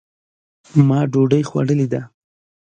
ما ډوډۍ خوړلې ده